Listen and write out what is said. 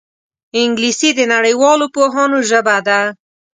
انګلیسي د نړیوالو پوهانو ژبه ده